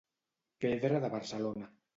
Pedra de Barcelona.